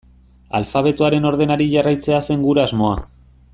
Alfabetoaren ordenari jarraitzea zen gure asmoa.